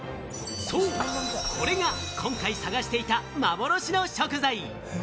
これが今回、探していた幻の食材。